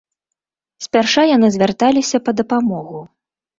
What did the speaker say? Спярша яны звярталіся па дапамогу.